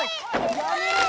やめろよ！